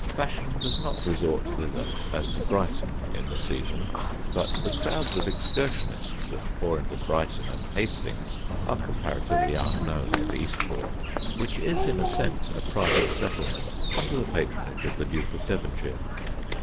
Fashion does not resort thither as to Brighton in the season, but the crowds of excursionists that pour into Brighton and Hastings are comparatively unknown at Eastbourne; which is in a sense a private settlement, under the patronage of the Duke of Devonshire.